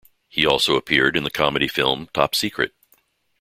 He also appeared in the comedy film Top Secret!